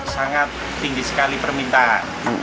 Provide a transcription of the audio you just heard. sangat tinggi sekali permintaan